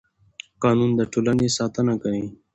قانون د ټولنې ساتنه کوي